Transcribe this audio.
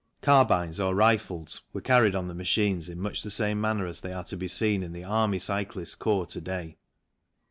Carbines or rifles were carried on the machines in much the same manner as they are to be seen in the Army Cyclists Corps to day.